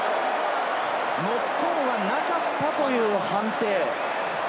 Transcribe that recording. ノックオンは、なかったという判定。